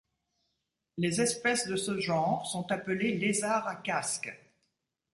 Les espèces de ce genre sont appelées lézards à casque.